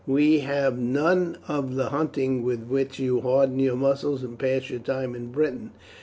We have none of the hunting with which you harden your muscles and pass your time in Britain.